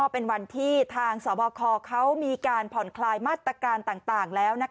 เป็นวันที่ทางสบคเขามีการผ่อนคลายมาตรการต่างแล้ว